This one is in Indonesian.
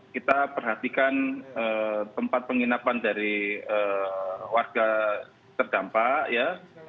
kita perhatikan tempat penginapan dari warga terdampak ya